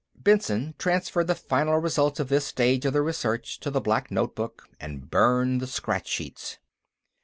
Benson transferred the final results of this stage of the research to the black notebook and burned the scratch sheets.